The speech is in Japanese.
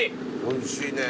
おいしいね。